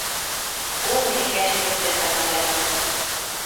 Ул минең йәшлегемде хәтерләтте.